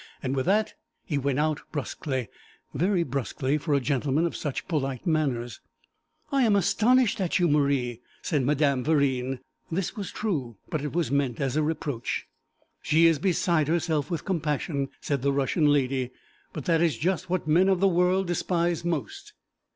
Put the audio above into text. And with that he went out brusquely very brusquely for a gentleman of such polite manners. 'I am astonished at you, Marie,' said Madame Verine. This was true, but it was meant as a reproach. 'She is beside herself with compassion,' said the Russian lady; 'but that is just what men of the world despise most.'